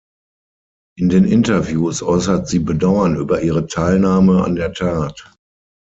In den Interviews äußert sie Bedauern über ihre Teilnahme an der Tat.